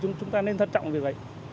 thì chúng ta nên thân trọng việc vậy